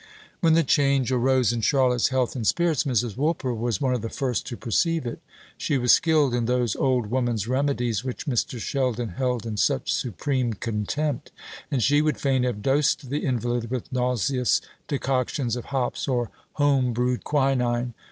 When the change arose in Charlotte's health and spirits, Mrs. Woolper was one of the first to perceive it. She was skilled in those old woman's remedies which Mr. Sheldon held in such supreme contempt, and she would fain have dosed the invalid with nauseous decoctions of hops, or home brewed quinine.